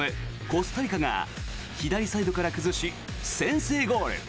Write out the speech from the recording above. コスタリカが左サイドから崩し、先制ゴール。